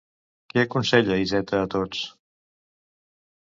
Què aconsella Iceta a tots?